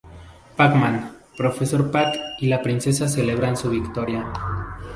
Pac-Man, Professor Pac y la princesa celebran su victoria.